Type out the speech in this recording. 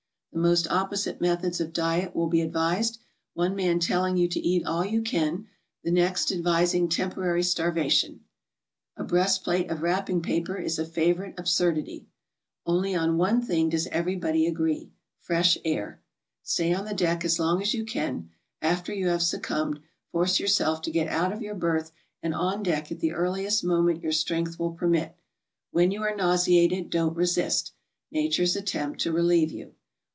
The most opposite methods of diet ? will be advised, one man telling you to eat all you can, the ^| next advising temporary starvation. A breastplate of wrap ping paper is a favorite absurdity. Only on one thing does | 1 HOW TO GO. 43 everybody agree, — fresh air. Stay on the deck as long as you can; after you have succumbed, force yourself to get out of your berth and on deck at the earliest moment your strength will permit. When you are nauseated, don't resist Nature's attempt to relieve you.